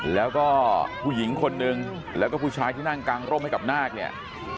แล้วก็ผู้หญิงคนนึงแล้วก็ผู้ชายที่นั่งกางร่มให้กับนาคเนี่ย